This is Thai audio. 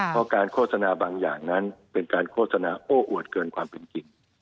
เพราะการโฆษณาบางอย่างนั้นเป็นการโฆษณาโอ้อวดเกินความเป็นจริง